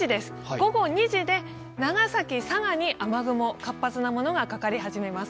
午後２時で長崎、佐賀に雨雲、活発なものがかかり始めます。